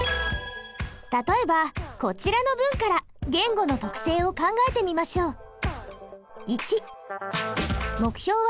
例えばこちらの文から言語の特性を考えてみましょう。